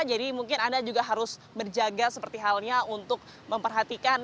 jadi mungkin anda juga harus berjaga seperti halnya untuk memperhatikan